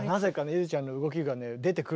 ゆづちゃんの動きがね出てくるんだよ